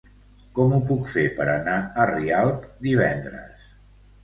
Com ho puc fer per anar a Rialp divendres?